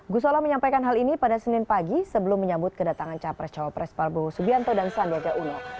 gusola menyampaikan hal ini pada senin pagi sebelum menyambut kedatangan capres cawapres prabowo subianto dan sandiaga uno